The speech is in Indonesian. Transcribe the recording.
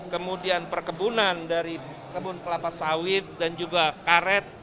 kemudian perkebunan dari kebun kelapa sawit dan juga karet